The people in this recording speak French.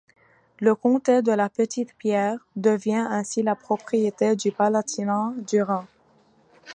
Le comté de la Petite-Pierre devient ainsi la propriété du Palatinat du Rhin.